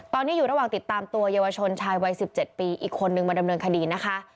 ตอนนี้อยู่ระหว่างติดตามตัวเยาวชนชายวัย๑๗ปีอีกคนนึงมาดำเนินคดีนะคะ